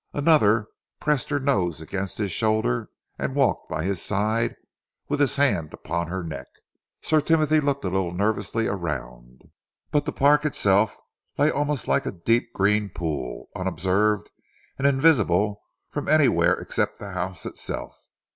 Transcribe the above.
Another pressed her nose against his shoulder and walked by his side, with his hand upon her neck. Sir Timothy looked a little nervously around, but the park itself lay almost like a deep green pool, unobserved, and invisible from anywhere except the house itself.